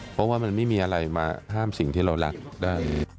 เพราะว่ามันไม่มีอะไรมาห้ามสิ่งที่เรารักได้